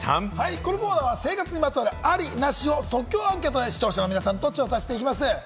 このコーナーは生活にまつわるありなしを即興アンケートで視聴者の皆さんと調査します。